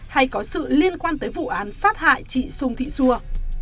hay có sự liên quan tới vụ án sát hại chị xuân thị xua